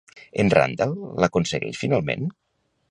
En Randall l'aconsegueix finalment?